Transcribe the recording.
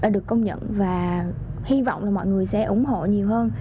được công nhận và hy vọng là mọi người sẽ ủng hộ nhiều hơn